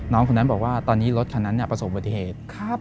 น้องคนนั้นบอกว่าตอนนี้รถคันนั้นประสูจน์บริเทศ